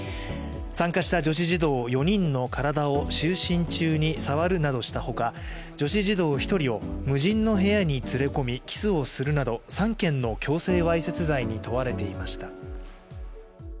参加した女子児童４人の体を就寝中に触るなどしたほか、女子児童１人を無人の部屋に連れ込みキスをするなど３件の強制わいせつ罪に問われていました。